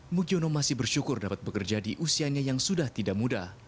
mugiono masih bersyukur dapat bekerja di usianya yang sudah tidak muda